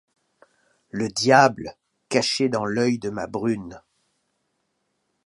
Le diable, caché dans l’œil de ma brune